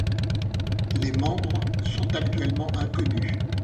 Les membres sont actuellement inconnus.